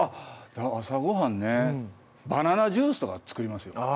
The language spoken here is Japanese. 朝ごはんねバナナジュースとか作りますよ